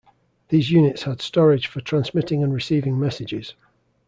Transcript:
These units had storage for transmitting and receiving messages.